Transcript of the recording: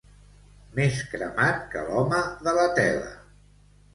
Més cremat que l'home de la tela.